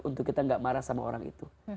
untuk kita gak marah sama orang itu